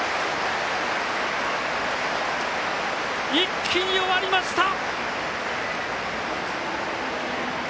一気に終わりました！